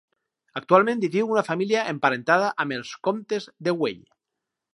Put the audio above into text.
Actualment hi viu una família emparentada amb els Comtes de Güell.